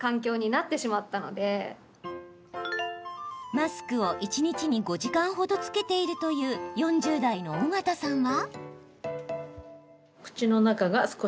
マスクを一日に５時間ほど着けているという４０代の緒方さんは？